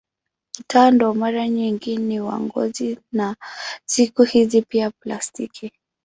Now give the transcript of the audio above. Utando mara nyingi ni wa ngozi na siku hizi pia plastiki.